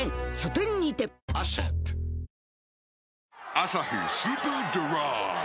「アサヒスーパードライ」